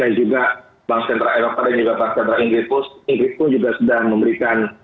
dan juga bank central eropa dan juga bank central inggris pun juga sedang memberikan